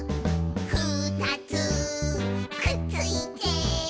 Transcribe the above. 「ふたつくっついて」